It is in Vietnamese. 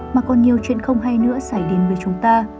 mà còn nhiều chuyện không hay nữa xảy đến với chúng ta